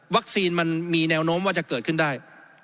มันมีแนวโน้มว่าจะเกิดขึ้นได้